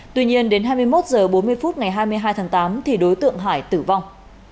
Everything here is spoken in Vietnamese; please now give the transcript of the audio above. tuy nhiên đến hai mươi một h bốn mươi phút ngày hai mươi hai tháng tám thì đối tượng hải tử vong